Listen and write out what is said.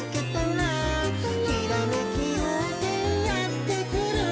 「ひらめきようせいやってくる」